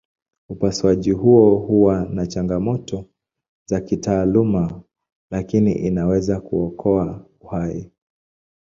Upasuaji huo huwa na changamoto za kitaalamu lakini inaweza kuokoa uhai.